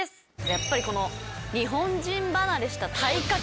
やっぱりこの日本人離れした体格。